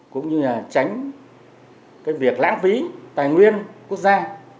cũng như là tránh cái việc lãng phí tài nguyên quốc gia